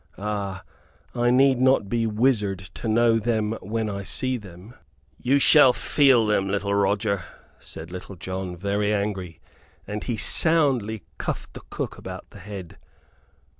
Ah, I need not be wizard to know them when I see them!" "You shall feel them, little Roger," said Little John, very angry. And he soundly cuffed the cook about the head.